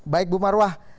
baik bu marwah